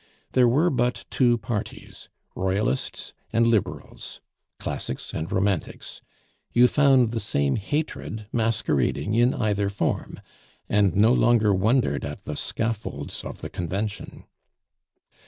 There were but two parties Royalists and Liberals, Classics and Romantics. You found the same hatred masquerading in either form, and no longer wondered at the scaffolds of the Convention.